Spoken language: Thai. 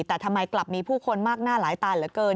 แต่ทำไมกลับมีผู้คนมากหน้าหลายตาเหลือเกิน